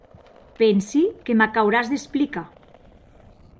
Pensi que m'ac auràs d'explicar.